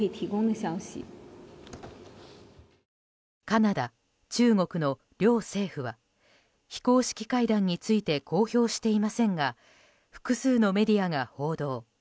カナダ・中国の両政府は非公式会談について公表していませんが複数のメディアが報道。